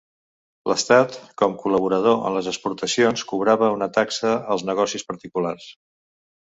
L'Estat com col·laborador en les exportacions cobrava una taxa als negocis particulars.